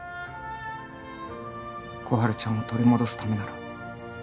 心春ちゃんを取り戻すためなら